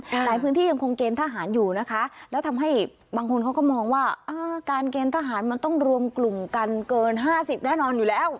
หลายพื้นที่ยังคงเกณฑ์ทหารอยู่นะคะแล้วทำให้บางคนเขาก็มองว่าการเกณฑ์ทหารมันต้องรวมกลุ่มกันเกิน๕๐แน่นอนอยู่แล้ว